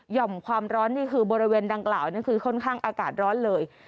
่อมความร้อนนี่คือบริเวณดังกล่าวนี่คือค่อนข้างอากาศร้อนเลย